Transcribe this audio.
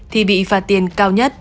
thì bị phạt tiền cao nhất